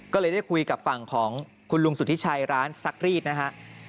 ก็เลยได้คุยกับฝั่งของคุณลุงสุธิชัยร้านซักรีดนะฮะ